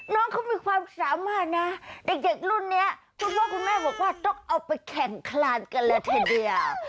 น้องเขามีความสามารถนะเด็กรุ่นนี้คุณพ่อคุณแม่บอกว่าต้องเอาไปแข่งคลานกันเลยทีเดียว